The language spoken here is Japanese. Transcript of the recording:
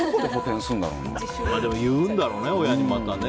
言うんだろうね、親にまた。